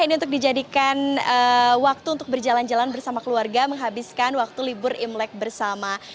ini untuk dijadikan waktu untuk berjalan jalan bersama keluarga menghabiskan waktu libur imlek bersama